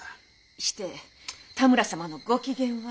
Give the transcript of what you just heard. して多村様の御機嫌は？